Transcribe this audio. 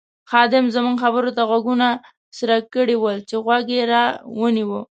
خادم زموږ خبرو ته غوږونه څرک کړي ول چې غوږ یې را ونیو.